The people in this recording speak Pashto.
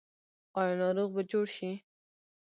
آیا ناروغ به جوړ شي؟